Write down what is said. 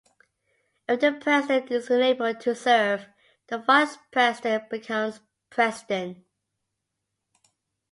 If the president is unable to serve, the vice president becomes president.